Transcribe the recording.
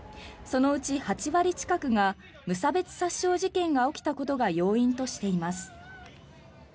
そのうち８割近くが無差別殺傷事件が起きたことが要因としています。